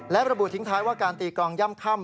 และระบุทิ้งท้ายว่าการตีกลองย่ำค่ำ